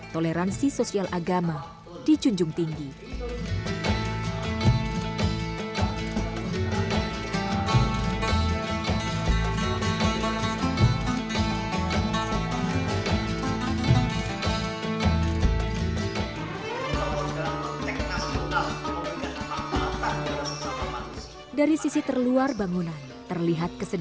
toleransi sosial agama di cunjung tinggi